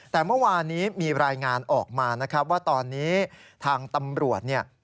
แต่เมื่อวานนี้มีรายงานออกมานะครับว่าตอนนี้ทางตำรวจเนี่ย